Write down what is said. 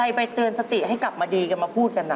ไปเตือนสติให้กลับมาดีกันมาพูดกันนะ